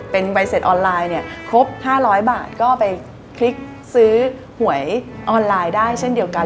เป็นใบเสร็จออนไลน์เนี่ยครบ๕๐๐บาทก็ไปคลิกซื้อหวยออนไลน์ได้เช่นเดียวกัน